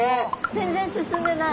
全然進んでない。